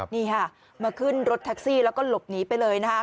นี่ค่ะมาขึ้นรถแท็กซี่แล้วก็หลบหนีไปเลยนะคะ